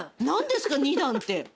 何ですか２段って。